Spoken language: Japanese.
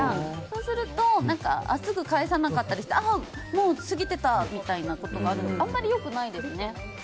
そうするとすぐ返さなかったりしてもう過ぎてたみたいなことがあるのであまり良くないですね。